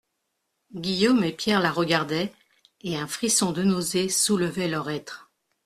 Guillaume et Pierre la regardaient, et un frisson de nausée soulevait leur être.